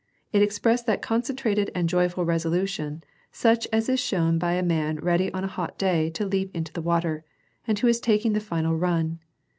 It expressed that concen trated and joyful resolution such as is shown by a man ready on a hot day to leap into the water, and who is taking the final ^un.